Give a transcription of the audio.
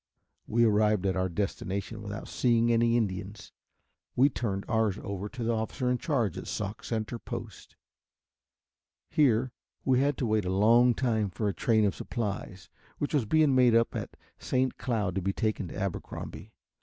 We arrived at our destination without seeing any Indians. We turned ours over to the officer in charge of Sauk Center post. Here we had to wait a long time for a train of supplies which was being made up at St. Cloud to be taken to Abercrombie.